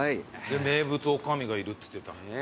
名物女将がいるっつってた。